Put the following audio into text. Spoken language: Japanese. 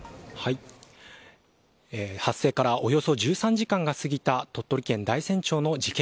発生からおよそ１３時間が過ぎた鳥取県大山町の事件